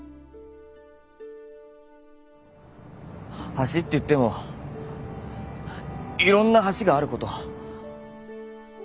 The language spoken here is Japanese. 橋っていってもいろんな橋があること。